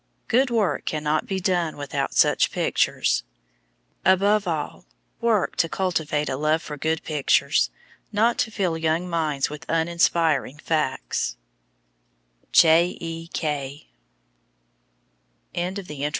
Good work cannot be done without such pictures. Above all, work to cultivate a love for good pictures, not to fill young minds with uninspiring facts. J. E. K.